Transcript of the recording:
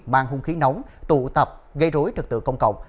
mang hung khí nóng tụ tập gây rối trật tự công cộng